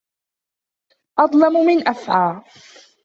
أظلم من أفعى